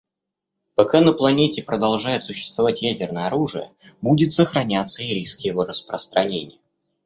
Пока на планете продолжает существовать ядерное оружие, будет сохраняться и риск его распространения.